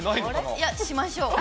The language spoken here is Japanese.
いや、しましょう。